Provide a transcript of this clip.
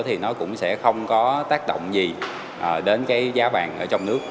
thì nó cũng sẽ không có tác động gì đến giá vàng trong nước